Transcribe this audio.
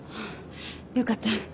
よかった。